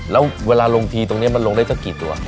แล้วเวลาลงทีตรงนี้มันลงได้สักกี่ตัว